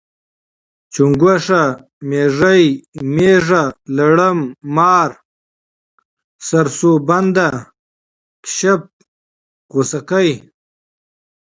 چونګښه، میږی، میږه، لړم، مار، سرسوبنده، کیسپ، غوسکی